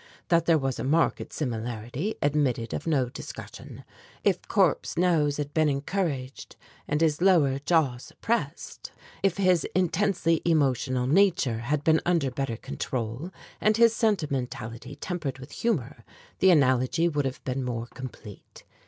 That there was a marked similarity admitted of no discussion. If Corp's nose had been encouraged and his lower jaw suppressed, if his intensely emotional nature had been under better control, and his sentimentality tempered with humor, the analogy would have been more complete.